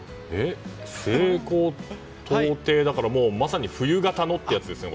西高東低だからまさに冬型のってやつですよね。